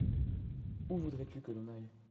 Où voulais-tu que l'on aille ?